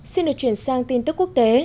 xin được chuyển sang tin tức quốc tế